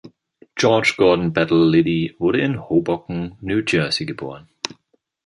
George Gordon Battle Liddy wurde in Hoboken, New Jersey, geboren.